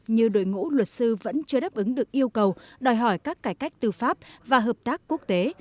như đội ngũ luật sư vẫn chưa đáp ứng được yêu cầu đòi hỏi các cải cách tư pháp và hợp tác quốc tế